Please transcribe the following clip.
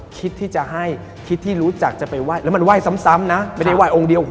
คิดที่จะให้คิดที่รู้จักจะไปว่ายแล้วมันว่ายซ้ำนะไม่ได้ว่ายโง่งเดียว